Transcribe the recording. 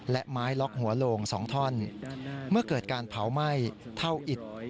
และไม้ล็อกหัวโลง๒ท่อนเมื่อเกิดการเผาไหม้เท่าอิด